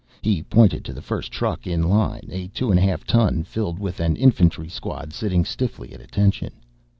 He pointed to the first truck in line, a 2½ ton filled with an infantry squad sitting stiffly at attention.